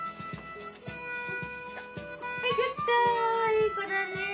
いい子だねぇ。